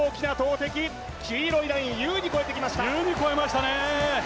黄色いラインを優に越えてきました。